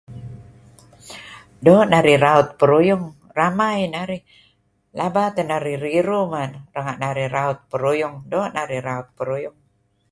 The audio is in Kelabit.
Doo' narih raut peruyung ramai narih. Laba teh narih riruh men renga' narih raut peruyung. Doo' narih raut peruyung.